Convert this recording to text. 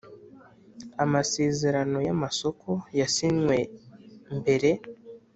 Amasezerano y amasoko yasinywe mbere